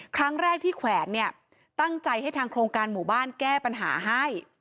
ครั้งแรกที่แขวนเนี่ยตั้งใจให้ทางโครงการหมู่บ้านแก้ปัญหาให้